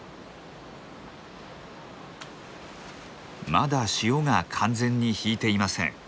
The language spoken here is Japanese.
まだ潮が完全に引いていません。